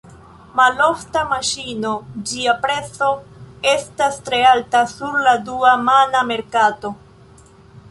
Malofta maŝino, ĝia prezo estas tre alta sur la dua-mana merkato.